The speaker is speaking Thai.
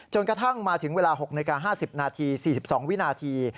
กระทั่งมาถึงเวลา๖นาฬิกา๕๐นาที๔๒วินาที